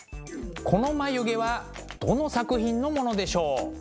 この眉毛はどの作品のものでしょう？